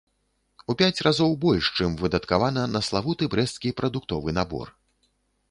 У пяць разоў больш, чым выдаткавана на славуты брэсцкі прадуктовы набор.